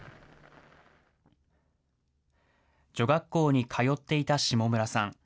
女学校に通っていた下村さん。